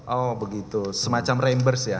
oh begitu semacam rambers ya